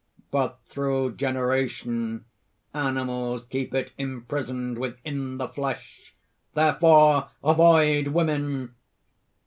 But through generation, animals keep it imprisoned within the flesh! Therefore, avoid women!"